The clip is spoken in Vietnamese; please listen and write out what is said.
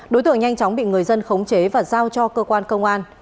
đối tượng nhanh chóng bị người dân khống chế và giao cho cơ quan công an